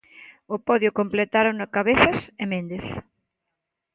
O podio completárono Cabezas e Méndez.